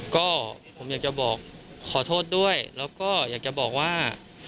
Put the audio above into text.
ก็ผมอยากจะบอกขอโทษด้วยแล้วก็อยากจะบอกว่า